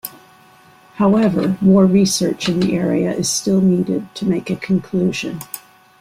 However, more research in the area is still needed to make a conclusion.